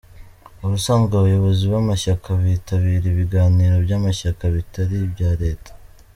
Ubusanzwe abayobozi b’amashyaka bitabira ibiganiro by’amashyaka bitari ibya leta.